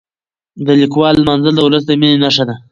د لیکوالو لمانځل د ولس د مینې نښه ده.